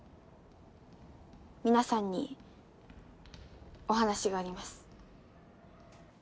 皆さんにお話があります